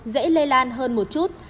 dễ lây lan hơn một chút